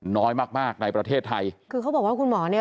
น้อยมากมากในประเทศไทยคือเขาบอกว่าคุณหมอเนี้ย